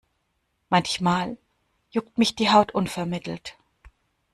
Manchmal juckt mich die Haut unvermittelt.